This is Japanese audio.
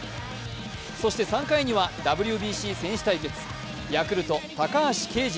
そして３回にはＷＢＣ選手対決、ヤクルト・高橋奎二